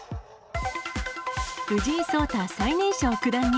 藤井聡太、最年少九段に。